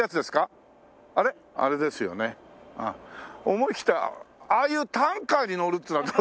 思い切ってああいうタンカーに乗るっつうのはどう？